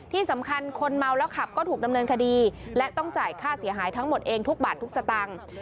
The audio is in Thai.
ที่สำคัญคนเมาแล้วขับก็ถูกดำเนินคดีและต้องจ่ายค่าเสียหายทั้งหมดเองทุกบาททุกสตางค์